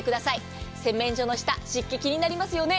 洗面所の下湿気が気になりますよね。